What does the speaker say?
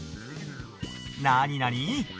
なになに？